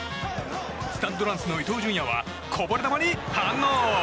スタッド・ランスの伊東純也はこぼれ球に反応。